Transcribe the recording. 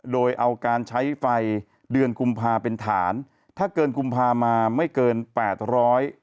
โดยเอาการใช้ไฟเดือนกุมภาเป็นฐานถ้าเกินกุมภามาไม่เกินแปดร้อย